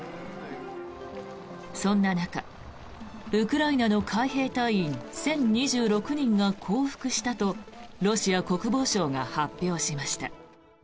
そんな中、ウクライナの海兵隊員１０２６人が降伏したとロシア国防省が発表しました。